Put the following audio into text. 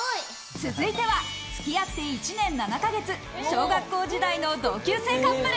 続いては、つき合って１年７か月、小学校時代の同級生カップル。